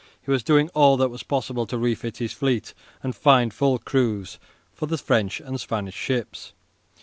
He was doing all that was possible to refit his fleet and find full crews for the French and Spanish ships.